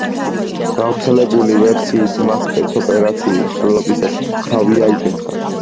გავრცელებული ვერსიით, მან სპეცოპერაციის მსვლელობისას თავი აიფეთქა.